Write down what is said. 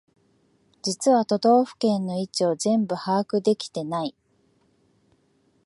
実は都道府県の位置を全部把握できてない